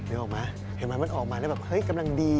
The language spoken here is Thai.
เห็นไหมมันออกมาแล้วแบบเฮ้ยกำลังดี